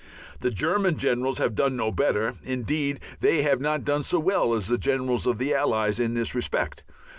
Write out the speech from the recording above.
The German generals have done no better; indeed, they have not done so well as the generals of the Allies in this respect.